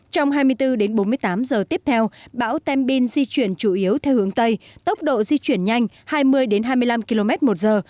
trong hai mươi bốn đến bốn mươi tám giờ tiếp theo bão tem bin di chuyển chủ yếu theo hướng tây tốc độ di chuyển nhanh hai mươi hai mươi năm km một giờ